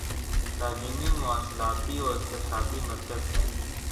تعلیمی مواصلاتی و اقتصادی مرکز ہے